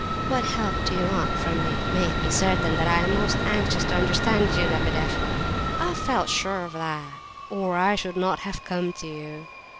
"What help do you want from me? You may be certain that I am most anxious to understand you, Lebedeff." "I felt sure of that, or I should not have come to you.